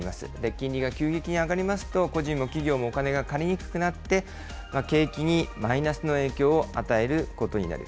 金利が急激に上がりますと、個人も企業もお金が借りにくくなって、景気にマイナスの影響を与えることになる。